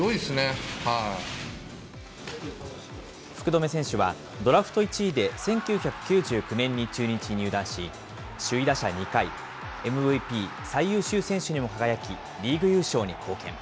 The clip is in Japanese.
福留選手は、ドラフト１位で１９９９年に中日に入団し、首位打者２回、ＭＶＰ・最優秀選手にも輝き、リーグ優勝に貢献。